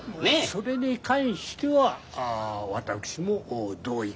それに関しては私も同意見です。